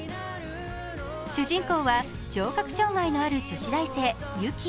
主人公は聴覚障害のある女子大生、雪。